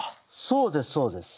そうですそうです。